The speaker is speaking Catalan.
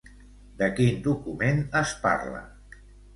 De quin document es parla?